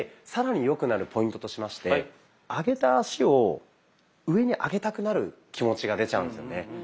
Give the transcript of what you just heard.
更によくなるポイントとしまして上げた足を上に上げたくなる気持ちが出ちゃうんですよね。